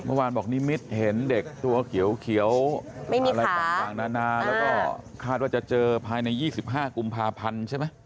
เมื่อวานบอกนิมิตเห็นเด็กตัวเขียวอะไรต่างนานาแล้วก็คาดว่าจะเจอภายใน๒๕กุมภาพันธ์ใช่ไหม